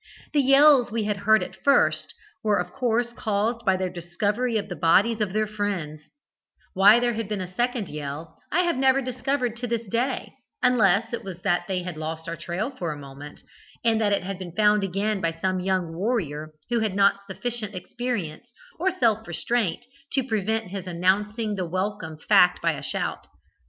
The yells we had heard at first, were of course caused by their discovery of the bodies of their friends: why there had been a second yell, I have never discovered to this day, unless it was that they had lost our trail for a moment, and that it had been found again by some young warrior who had not sufficient experience or self restraint to prevent his announcing the welcome fact by a shout.